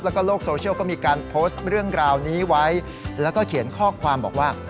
แล้วก็โลกโซเชียลก็มีการโพสต์เรื่องราวนี้ไว้แล้วก็เขียนข้อความบอกว่า